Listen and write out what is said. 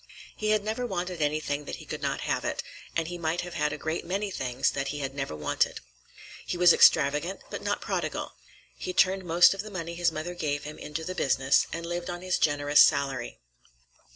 He had never wanted anything that he could not have it, and he might have had a great many things that he had never wanted. He was extravagant, but not prodigal. He turned most of the money his mother gave him into the business, and lived on his generous salary.